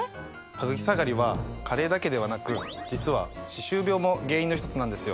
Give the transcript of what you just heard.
ハグキ下がりは加齢だけではなく実は歯周病も原因の一つなんですよ。